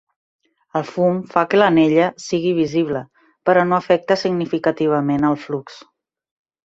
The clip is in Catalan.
El fum fa que l'anella sigui visible, però no afecta significativament el flux.